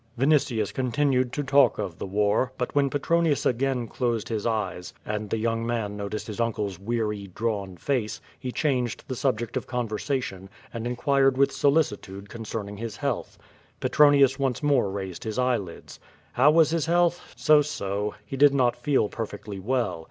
Vinitius continued to talk of the war, but when Petronius again closed his eyes, and the young man noticed his uncle's weary, drawn face, he changed the subject of conversation, and inquired with solicitude concerning his health. Petronius once more raised his eyelids. How was his health? So so. He did not feel perfectly well.